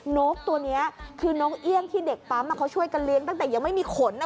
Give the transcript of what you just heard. นกตัวนี้คือนกเอี่ยงที่เด็กปั๊มเขาช่วยกันเลี้ยงตั้งแต่ยังไม่มีขน